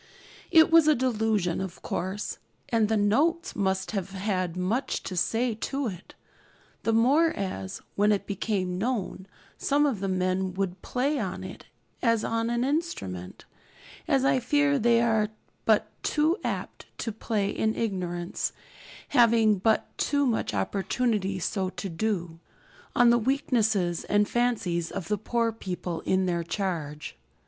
It was a 'delusion,' of course, and the 'notes' must have had much to say to it; the more as, when it became known, some of the men would play on it as on an instrument, as I fear they are but too apt to play in ignorance, having but too much opportunity so to do, on the weaknesses and fancies of the poor people in their charge.